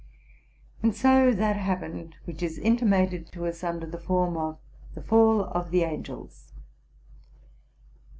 And so that happened which is intim: ited to us under the form of the Fall of the Angels.